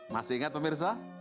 masih ingat pemirsa